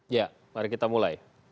ya mari kita mulai